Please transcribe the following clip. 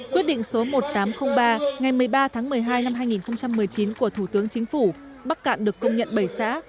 quyết định số một nghìn tám trăm linh ba ngày một mươi ba tháng một mươi hai năm hai nghìn một mươi chín của thủ tướng chính phủ bắc cạn được công nhận bảy xã